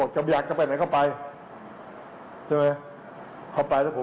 มีคนใจดีก็ตัดสินใจนั่งรถจากหมอชิตจะไปขอนแก่น